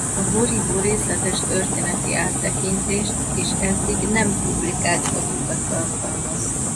A borító részletes történeti áttekintést és eddig nem publikált fotókat tartalmaz.